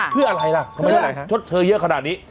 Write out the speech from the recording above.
เพื่ออะไรล่ะทำไมเท่าไหร่ฮะชดเชยเยอะขนาดนี้